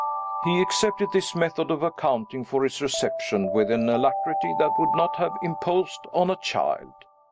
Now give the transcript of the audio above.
He accepted this method of accounting for his reception with an alacrity that would not have imposed on a child.